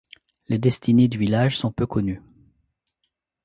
Les destinées du village sont peu connues.